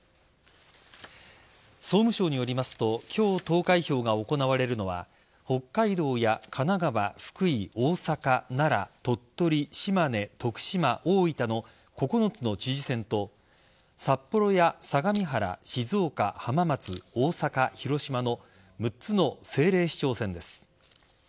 総務省によりますと今日、投開票が行われるのは北海道や神奈川、福井大阪、奈良、鳥取島根、徳島、大分の９つの知事選と札幌や相模原、静岡、浜松大阪、広島の６つの政令市長選です。